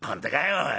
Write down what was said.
おい。